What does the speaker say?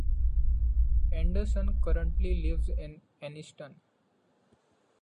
Anderson currently lives in Anniston.